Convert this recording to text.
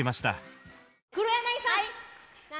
黒柳さん！